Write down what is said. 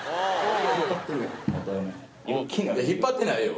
引っ張ってないよ。